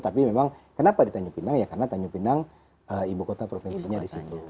tapi memang kenapa di tanjung pinang ya karena tanjung pinang ibu kota provinsinya di situ